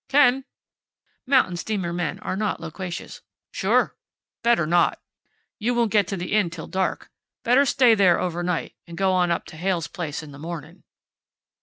"Can." Mountain steamer men are not loquacious. "Sure. Better not. You won't get to the Inn till dark. Better stay there over night, and go on up to Heyl's place in the morning."